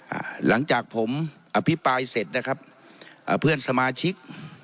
หลังจากผมอภิปรายเสร็จนะครับอ่าเพื่อนสมาชิก